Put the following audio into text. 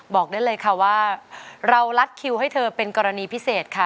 บอกได้เลยค่ะว่าเรารัดคิวให้เธอเป็นกรณีพิเศษค่ะ